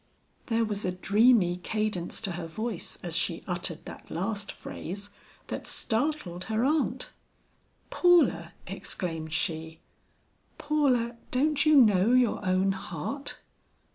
There was a dreamy cadence to her voice as she uttered that last phrase, that startled her aunt. "Paula," exclaimed she, "Paula, don't you know your own heart?"